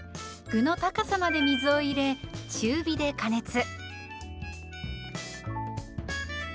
具の高さまで水を入れ中火で加熱。